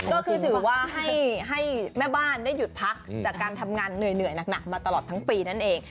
ก็คือถือว่าให้แม่บ้านได้หยุดพักจากการทำงานเหนื่อยหนักมาตลอดทั้งปีนั่นเอง